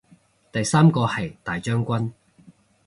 第三個係大將軍